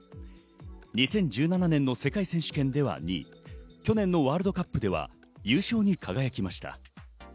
２０１７年の世界選手権では２位、去年のワールドカップでは優勝に輝きました。